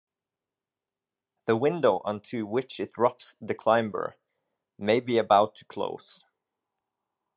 The window onto which it drops the climber may be about to close.